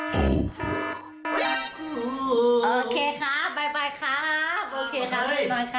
เดี๋ยว